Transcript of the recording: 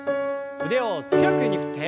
腕を強く上に振って。